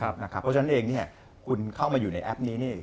เพราะฉะนั้นเองคุณเข้ามาอยู่ในแอปนี้นี่